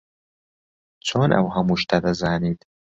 چۆن ئەو هەموو شتە دەزانیت؟